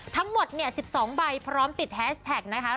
ทั้งหมดเนี่ย๑๒ใบพร้อมติดแฮชแท็กนะคะ